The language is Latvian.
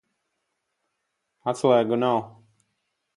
Atslēgu nav.